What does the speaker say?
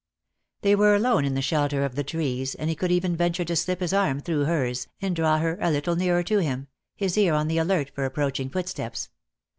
They were alone in the shelter of the trees, and he could even venture to slip his arm through hers, and draw her a little nearer to him, his ear on the alert for approaching footsteps.